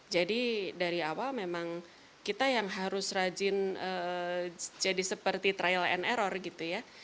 jadi dari awal memang kita yang harus rajin jadi seperti trial and error gitu ya